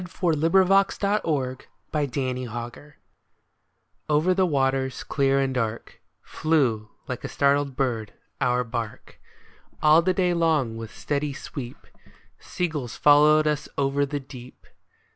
470 r EARLIER POEMS THE THREE SHIPS Over the waters clear and dark Flew, like a startled bird, our bark. All the day long with steady sweep Seagulls followed us over the deep.